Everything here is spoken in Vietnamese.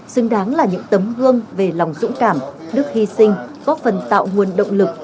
xứng đáng là những tấm gương về lòng dũng cảm đức hy sinh góp phần tạo nguồn động lực